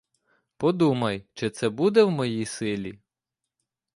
Подумай, чи це буде в моїй силі.